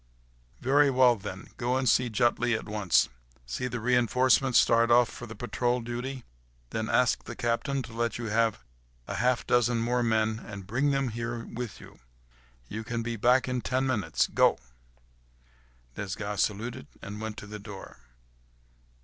"Very well, then. Go and see Jutley at once. See the reinforcements start off for the patrol duty, then ask the captain to let you have half a dozen more men and bring them here with you. You can be back in ten minutes. Go—" Desgas saluted and went to the door.